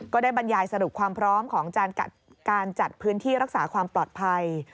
บรรยายสรุปความพร้อมของการจัดพื้นที่รักษาความปลอดภัย